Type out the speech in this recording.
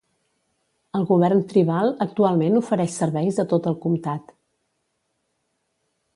El govern tribal actualment ofereix serveis a tot el comtat.